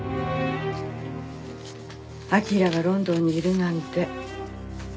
明良がロンドンにいるなんて。